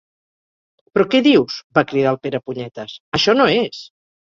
Però què dius? —va cridar el Perepunyetes— Això no és!